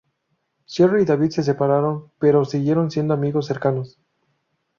Sherry y David se separaron pero siguieron siendo amigos cercanos.